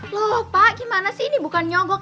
loh pak gimana sih ini bukan nyogok